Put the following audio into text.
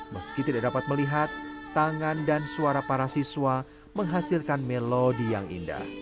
meski tidak dapat melihat tangan dan suara para siswa menghasilkan melodi yang indah